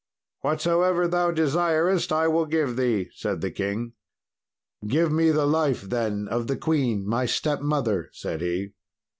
"Whatsoever thou desirest I will give thee," said the king. "Give me the life, then, of the queen, my stepmother," said he.